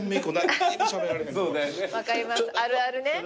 あるあるね。